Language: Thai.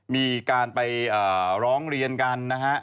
มีการไปร้องเรียนกันนะฮะ